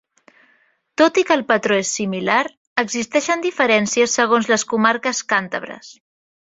Tot i que el patró és similar, existeixen diferències segons les comarques càntabres.